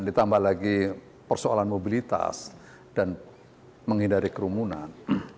ditambah lagi persoalan mobilitas dan menghindari kerumunan